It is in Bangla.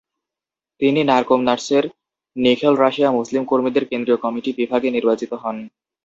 তিনি নারকোমনাটসের "নিখিল রাশিয়া মুসলিম কর্মীদের কেন্দ্রীয় কমিটি" বিভাগে নির্বাচিত হন।